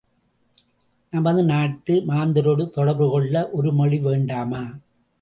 நமது நாட்டு மாந்தரொடு தொடர்பு கொள்ள ஒருமொழி வேண்டாமா?